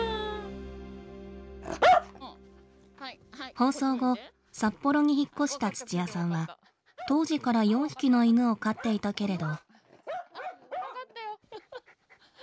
放送後札幌に引っ越した土屋さんは当時から４匹の犬を飼っていたけれど。